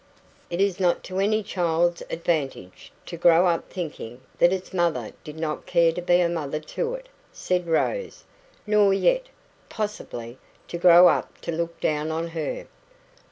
"It is not to any child's advantage to grow up thinking that its mother did not care to be a mother to it," said Rose. "Nor yet possibly to grow up to look down on her."